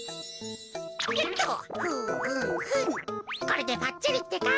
これでばっちりってか。